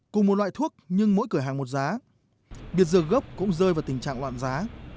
cùng một loại thuốc nhưng mỗi cửa hàng một giá biệt dược gốc cũng rơi vào tình trạng loạn giá